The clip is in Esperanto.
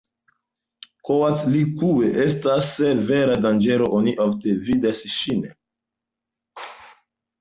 Koatlikue estas vera danĝero, oni ofte vidas ŝin.